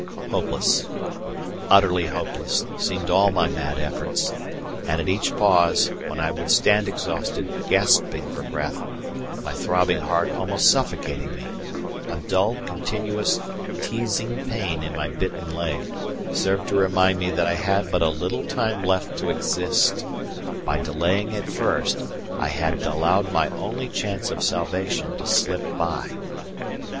Hopeless utterly hopeless seemed all my mad efforts; and at each pause, when I would stand exhausted, gasping for breath, my throbbing heart almost suffocating me, a dull, continuous, teasing pain in my bitten leg served to remind me that I had but a little time left to exist that by delaying at first I had allowed my only chance of salvation to slip by.